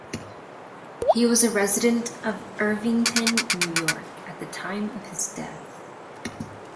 He was a resident of Irvington, New York, at the time of his death.